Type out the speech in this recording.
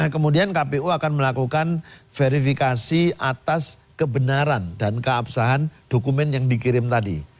kemudian kpu akan melakukan verifikasi atas kebenaran dan keabsahan dokumen yang dikirim tadi